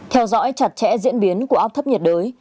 theo dõi chặt chẽ diễn biến của áp thấp nhiệt đới